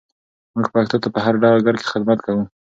موږ پښتو ته په هر ډګر کې خدمت کوو.